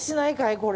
これ。